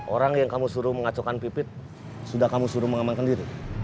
orang yang kamu suruh mengacaukan pipit sudah kamu suruh mengamankan diri